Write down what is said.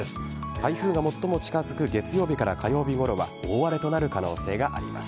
台風が最も近づく月曜日から火曜日ごろは大荒れとなる可能性があります。